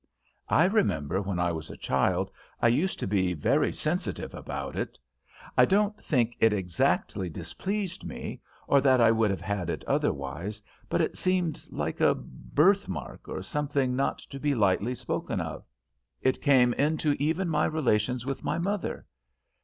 "I remember, when I was a child I used to be very sensitive about it. I don't think it exactly displeased me, or that I would have had it otherwise, but it seemed like a birthmark, or something not to be lightly spoken of. It came into even my relations with my mother.